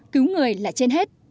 cứu người là trên hết